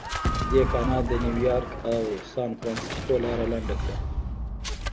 دې کانال د نیویارک او سانفرانسیسکو لاره لنډه کړه.